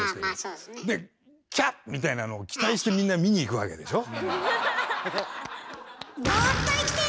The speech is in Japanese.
みたいなのを期待してみんな見に行くわけでしょ？